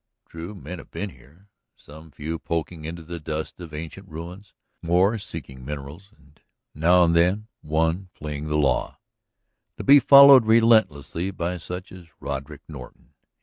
True, men have been here, some few poking into the dust of ancient ruins, more seeking minerals, and now and then one, fleeing the law, to be followed relentlessly by such as Roderick Norton.